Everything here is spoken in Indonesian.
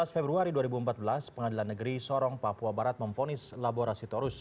tujuh belas februari dua ribu empat belas pengadilan negeri sorong papua barat memfonis laborasi torus